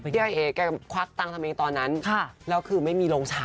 ที่อาเอแก่ควักตังค์ทำงานตอนนั้นแล้วคือไม่มีลงฉาย